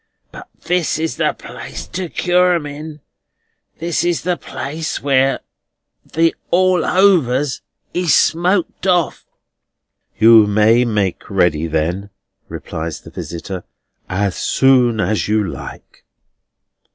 But this is the place to cure 'em in; this is the place where the all overs is smoked off." "You may make ready, then," replies the visitor, "as soon as you like."